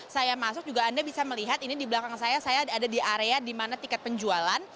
saya melihat ini di belakang saya saya ada di area di mana tiket penjualan